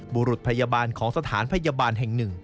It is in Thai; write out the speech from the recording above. บุรุษพยาบาลของสถานพยาบาลแห่ง๑